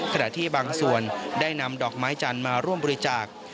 ขณะที่บางส่วนได้นำดอกไม้จันทร์มาร่วมบริจาค